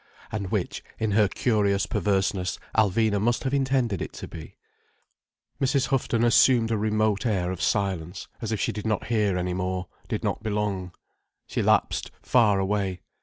And which, in her curious perverseness, Alvina must have intended it to be. Mrs. Houghton assumed a remote air of silence, as if she did not hear any more, did not belong. She lapsed far away.